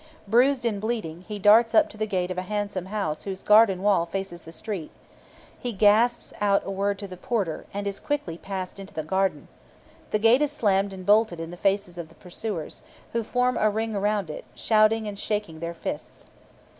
Bruised and bleeding, he darts up to the gate of a handsome house whose garden wall faces the street. He gasps out a word to the porter, and is quickly passed into the garden. The gate is slammed and bolted in the faces of his pursuers, who form a ring round it, shouting and shaking their fists.